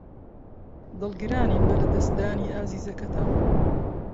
دڵگرانین بە لەدەستدانی ئازیزەکەتان.